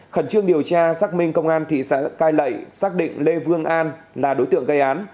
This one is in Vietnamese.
khẩn trương điều tra xác minh công an thị xã cai lệ xác định lê vương an là đối tượng gây án